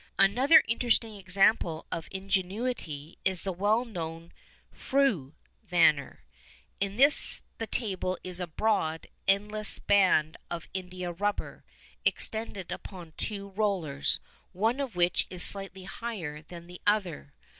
Another interesting example of ingenuity is the well known "Frue" vanner. In this the table is a broad, endless band of india rubber, extended upon two rollers, one of which is slightly higher than the other.